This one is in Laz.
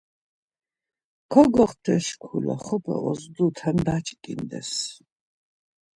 Kogoxtes şkule xop̌e ozduten daç̌ǩindes.